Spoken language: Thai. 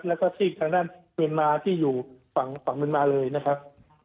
แล้วก็ซีกทางด้านเมียนมาที่อยู่ฝั่งเมียนมาเลยนะครับ